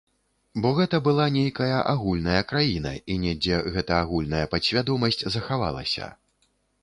Бо гэта была нейкая агульная краіна і недзе гэта агульная падсвядомасць захавалася.